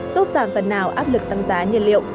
giúp giảm phần nào áp lực tăng giá nhiên liệu